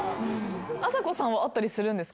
あさこさんはあったりするんですか